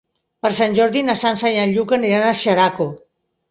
Per Sant Jordi na Sança i en Lluc aniran a Xeraco.